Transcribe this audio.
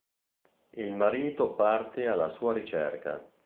Il marito parte alla sua ricerca.